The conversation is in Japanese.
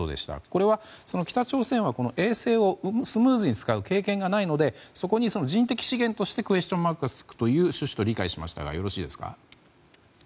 これは北朝鮮は衛星をスムーズに使う経験がないのでそこに人的資源としてクエスチョンマークがつくという趣旨と理解しましたがよろしいですか。